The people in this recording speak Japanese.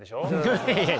いやいや。